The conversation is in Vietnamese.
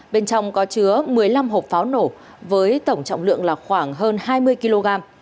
bên trong có chứa một mươi năm hộp pháo nổ với tổng trọng lượng là khoảng hơn hai mươi kg